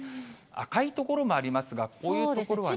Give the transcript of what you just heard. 赤い所もありますが、こういう所は。